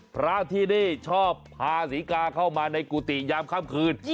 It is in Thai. พระที่ได้ชอบพาศรีกาเข้ามาในกุฏิยามค่ำคืน